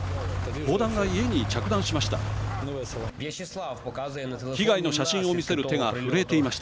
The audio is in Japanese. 砲弾が家に着弾しました。